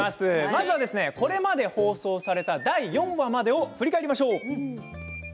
まずはこれまで放送された第４話までを振り返りましょう。